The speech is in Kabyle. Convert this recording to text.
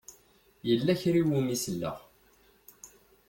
Yella kra i wumi selleɣ.